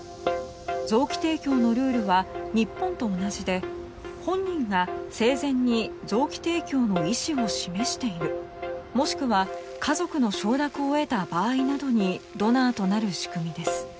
臓器提供のルールは日本と同じで本人が生前に臓器提供の意思を示しているもしくは家族の承諾を得た場合などにドナーとなる仕組みです。